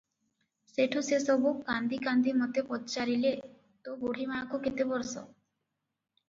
ସେଠୁ ସେ ସବୁ କାନ୍ଦି କାନ୍ଦି ମୋତେ ପଚାରିଲେ ତୋ ବୁଢ଼ୀମାଆକୁ କେତେ ବର୍ଷ?